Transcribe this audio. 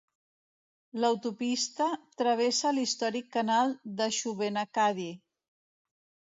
L'autopista travessa l'històric canal de Shubenacadie.